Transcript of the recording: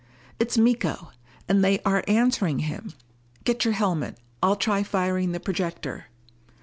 "It's Miko! And they are answering him! Get your helmet: I'll try firing the projector."